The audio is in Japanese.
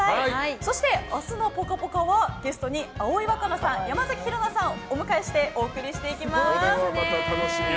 そして、明日の「ぽかぽか」はゲストに葵わかなさん山崎紘菜さんをお迎えしてお送りしていきます。